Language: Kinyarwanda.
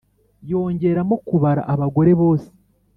yongeramo kubara abagore bose